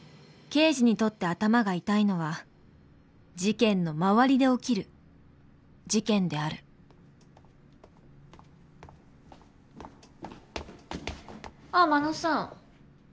刑事にとって頭が痛いのは事件の周りで起きる事件であるあっ真野さん。